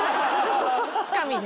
つかみね。